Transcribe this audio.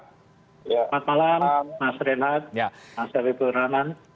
selamat malam mas renat mas habibur rahman